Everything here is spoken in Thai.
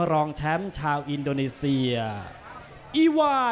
ยังเหลือคู่มวยในรายการ